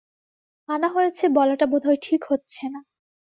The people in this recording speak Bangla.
আনা হয়েছে বলাটা বোধহয় ঠিক হচ্ছে না।